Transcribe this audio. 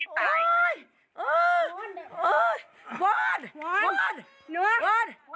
มันจะไหวร่วงหวานควรไปร่วงหวาน